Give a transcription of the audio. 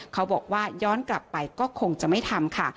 เขาบอกว่าย้อนกลับไปก็คงจะไม่ทำค่ะ